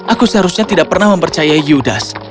aku seharusnya tidak pernah mempercaya judas